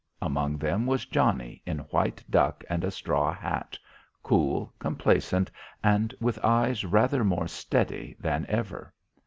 Among them was Johnnie in white duck and a straw hat, cool, complacent and with eyes rather more steady than ever.